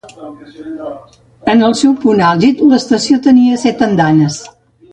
En el seu punt àlgid, l'estació tenia set andanes.